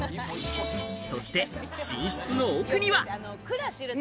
そして、寝室の奥には。